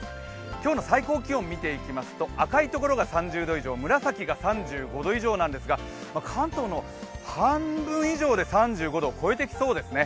今日の最高気温見ていきますと赤いところが３０度以上紫が３５度以上なんですが、関東の半分以上で３５度を超えてきそうですね。